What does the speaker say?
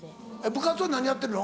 部活は何やってるの？